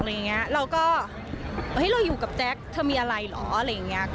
เราก็เราอยู่กับแจ็คเธอมีอะไรเหรอ